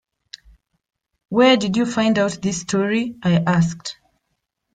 “Where did you find out this story?” I asked.